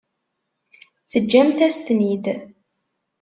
Teǧǧamt-as-ten-id.